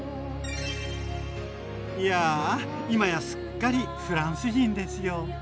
いや今やすっかりフランス人ですよ。